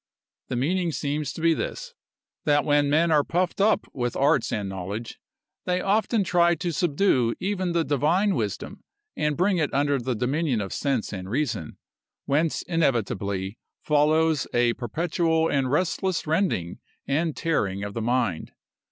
The meaning seems to be this,—that when men are puffed up with arts and knowledge, they often try to subdue even the divine wisdom and bring it under the dominion of sense and reason, whence inevitably follows a perpetual and restless rending and tearing of the mind.